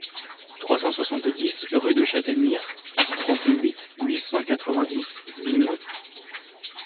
trois cent soixante-dix rue de Chataignieres, trente-huit, huit cent quatre-vingt-dix, Vignieu